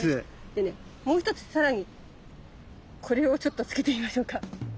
でねもう一つ更にこれをちょっとつけてみましょうか。